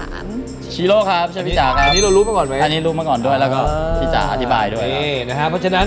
อันนี้รู้มาก่อนไหม